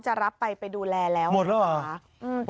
รับไปไปดูแลแล้วหมดแล้วเหรอคะ